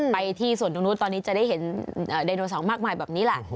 ไปที่ส่วนตรงนู้นตอนนี้จะได้เห็นไดโนเสาร์มากมายแบบนี้แหละ